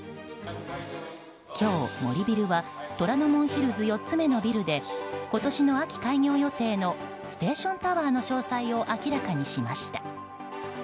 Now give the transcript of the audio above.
今日、森ビルは虎ノ門ヒルズ４つ目のビルで今年の秋開業予定のステーションタワーの詳細を明らかにしました。